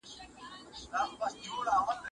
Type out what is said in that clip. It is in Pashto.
تر آسمان لاندي پاچا وو د مرغانو